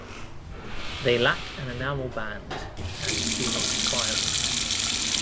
They lack an enamel band and do not spiral.